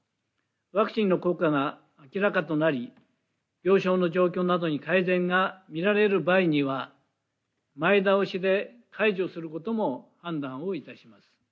ワクチンの効果が明らかとなり病床の状況などに改善が見られる場合などには前倒しで解除することも判断を致します。